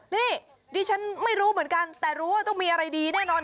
นี่ดิฉันไม่รู้เหมือนกันแต่รู้ว่าต้องมีอะไรดีแน่นอน